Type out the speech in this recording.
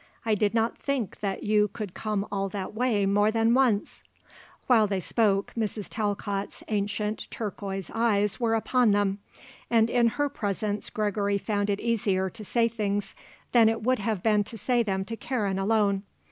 "I did not think that you could come all that way more than once." While they spoke, Mrs. Talcott's ancient, turquoise eyes were upon them, and in her presence Gregory found it easier to say things than it would have been to say them to Karen alone.